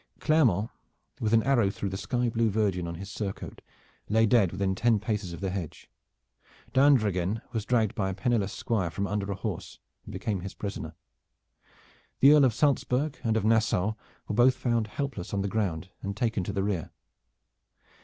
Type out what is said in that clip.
Clermont, with an arrow through the sky blue Virgin on his surcoat, lay dead within ten paces of the hedge; d'Andreghen was dragged by a penniless squire from under a horse and became his prisoner. The Earl of Salzburg and of Nassau were both found helpless on the ground and taken to the rear.